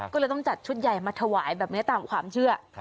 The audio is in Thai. ก็เลยต้องจัดชุดใหญ่มาถวายแบบนี้ตามความเชื่อ